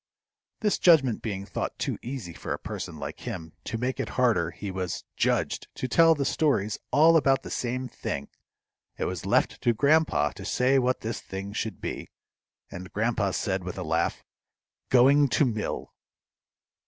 This judgment being thought too easy for a person like him, to make it harder he was "judged" to tell the stories all about the same thing. It was left to grandpa to say what this thing should be, and grandpa said, with a laugh, "going to mill."